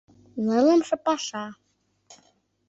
Нылымше паша.